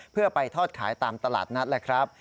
เพื่อไปทอดขายตามตลาดนัดแหละครับ